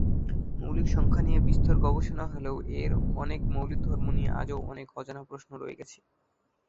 মৌলিক সংখ্যা নিয়ে বিস্তর গবেষণা হলেও এর অনেক মৌলিক ধর্ম নিয়ে আজও অনেক অজানা প্রশ্ন রয়ে গেছে।